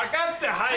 「はい」